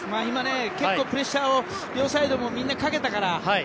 今、結構プレッシャーを両サイド、みんなかけたから。